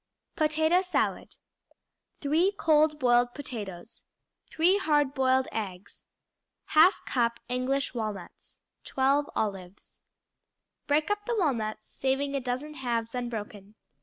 Potato Salad 3 cold boiled potatoes. 3 hard boiled eggs. 1/2 cup English walnuts. 12 olives. Break up the walnuts, saving a dozen halves unbroken.